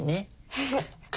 フフッ。